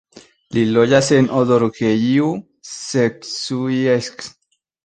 Li loĝas en Odorheiu Secuiesc.